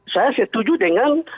saya setuju dengan